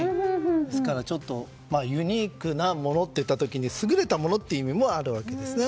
ですからユニークなものと言った時に優れたものっていう意味もあるんですね。